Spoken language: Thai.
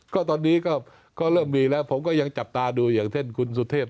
ก็ตอนนี้ก็เริ่มมีแล้วผมก็ยังจับตาดูอย่างเช่นคุณสุเทพ